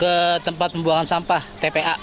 ke tempat pembuangan sampah tpa